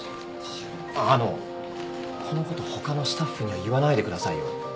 あのこの事他のスタッフには言わないでくださいよ。